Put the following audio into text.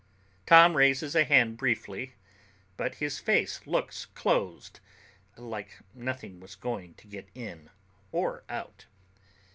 Tom raises a hand briefly, but his face looks closed, like nothing was going to get in or out.